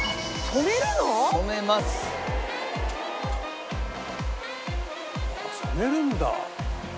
「染めるんだ」